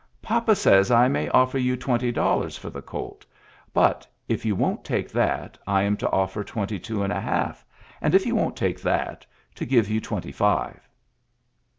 Papa says I may offer you twenty dollars for the colt, but, if you wonH take that, I am to offer twenty two and a half ; and, if you won't take that^ to give you twenty five.''